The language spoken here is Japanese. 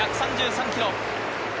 １３３キロ。